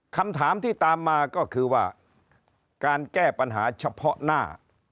คำถามที่ตามมาก็คือว่าการแก้ปัญหาเฉพาะหน้า